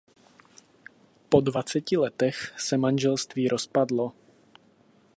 Po dvaceti letech se manželství rozpadlo.